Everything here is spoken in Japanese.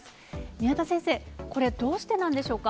宮田先生、これ、どうしてなんでしょうか。